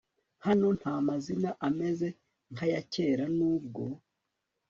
Hano nta mazina ameze nkayakera nubwo